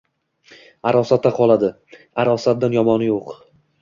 Arosatda qoladi. Arosatdan yomoni yo‘q!